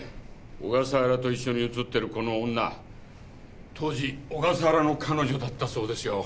小笠原と一緒に写ってるこの女当時小笠原の彼女だったそうですよ。